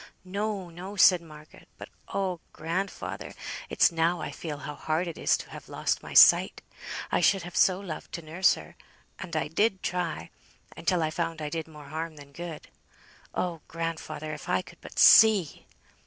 "No, no," said Margaret. "But, oh! grandfather; it's now I feel how hard it is to have lost my sight. I should have so loved to nurse her; and I did try, until I found I did more harm than good. Oh! grandfather; if I could but see!"